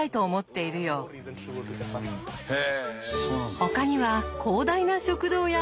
ほかには広大な食堂や体育館も。